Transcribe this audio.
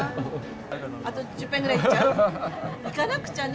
あと１０杯ぐらいいっちゃう？